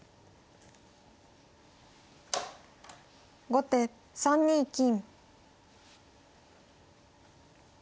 後手３二金。